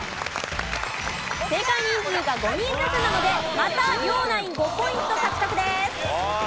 正解人数が５人ずつなのでまた両ナイン５ポイント獲得です。